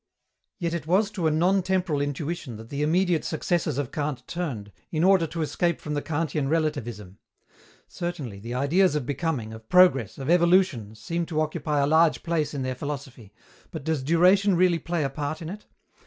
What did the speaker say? Yet it was to a non temporal intuition that the immediate successors of Kant turned, in order to escape from the Kantian relativism. Certainly, the ideas of becoming, of progress, of evolution, seem to occupy a large place in their philosophy. But does duration really play a part in it?